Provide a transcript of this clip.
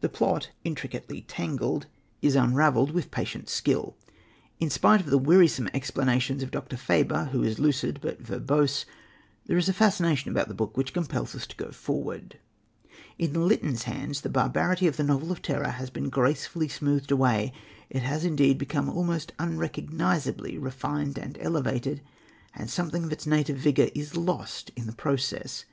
The plot, intricately tangled, is unravelled with patient skill. In spite of the wearisome explanations of Dr. Faber, who is lucid but verbose, there is a fascination about the book which compels us to go forward. In Lytton's hands the barbarity of the novel of terror has been gracefully smoothed away. It has, indeed, become almost unrecognisably refined and elevated, and something of its native vigour is lost in the process.